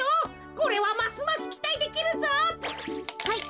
これはますますきたいできるぞ。はいちぃ